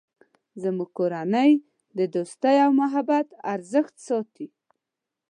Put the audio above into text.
زموږ کورنۍ د دوستۍ او محبت ارزښت ساتی